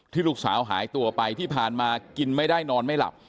ลูกสาวหายตัวไปที่ผ่านมากินไม่ได้นอนไม่หลับ